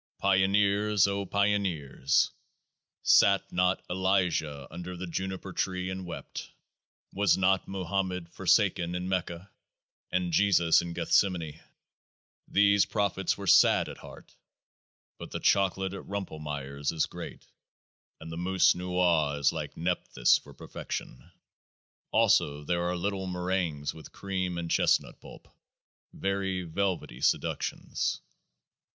" Pioneers, O Pioneers !" Sat not Elijah under the Juniper tree, and wept? Was not Mohammed forsaken in Mecca, and Jesus in Gethsemane? These prophets were sad at heart ; but the chocolate at Rumpelmayer's is great, and the Mousse Noix is like Nepthys for per fection. Also there are little meringues with cream and chestnut pulp, very velvety seductions.